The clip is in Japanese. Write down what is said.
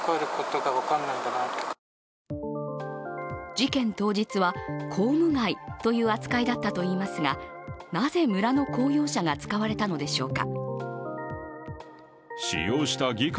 事件当日は、公務外という扱いだったといいますが、なぜ村の公用車が使われたのでしょうか。